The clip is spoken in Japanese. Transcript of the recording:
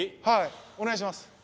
はいお願いします